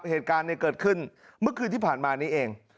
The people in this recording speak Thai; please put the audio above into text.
เหตุการณ์เกิดขึ้นเมื่อคืนที่ผ่านมานี้เอง